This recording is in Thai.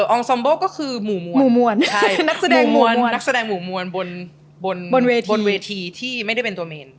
อองซอมโบก็คือหมู่มวลนักแสดงหมู่มวลบนเวทีที่ไม่ได้เป็นตัวเมน